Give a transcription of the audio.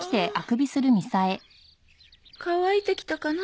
乾いてきたかな？